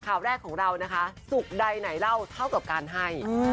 ข่าวแรกของเรานะคะสุขใดไหนเล่าเท่ากับการให้